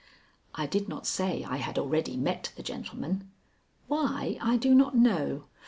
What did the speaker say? I did not say I had already met the gentleman. Why, I do not know.